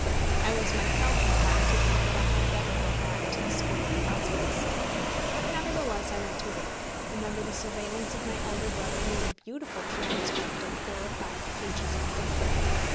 I was myself inclined to think that I had better go back to the school in Brussels. But nevertheless I went to work, and under the surveillance of my elder brother made a beautiful transcript of four or five pages of Gibbon.